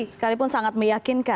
sekalipun sangat meyakinkan